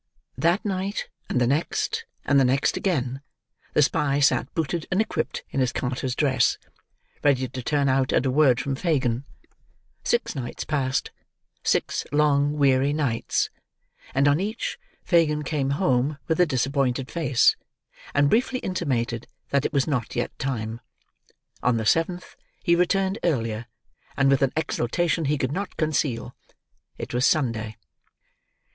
That night, and the next, and the next again, the spy sat booted and equipped in his carter's dress: ready to turn out at a word from Fagin. Six nights passed—six long weary nights—and on each, Fagin came home with a disappointed face, and briefly intimated that it was not yet time. On the seventh, he returned earlier, and with an exultation he could not conceal. It was Sunday.